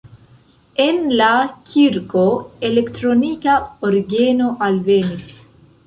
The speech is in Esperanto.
En la kirko elektronika orgeno alvenis.